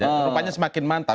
rupanya semakin mantap